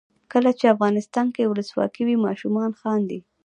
کله چې افغانستان کې ولسواکي وي ماشومان خاندي.